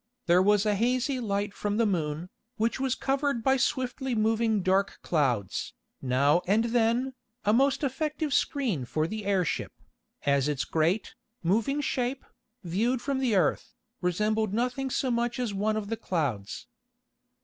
There was a hazy light from the moon, which was covered by swiftly moving dark clouds, now and then, a most effective screen for the airship, as its great, moving shape, viewed from the earth, resembled nothing so much as one of the clouds.